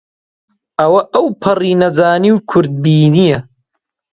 ئەوە ئەوپەڕی نەزانی و کورتبینییە